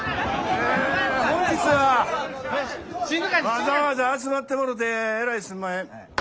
わざわざ集まってもろてえらいすんまへん。